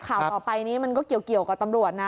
ข่าวต่อไปนี้มันก็เกี่ยวกับตำรวจนะ